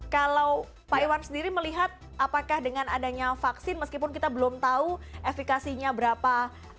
kalau pak iwan sendiri melihat apakah dengan adanya vaksin meskipun kita belum tahu efekasinya berapa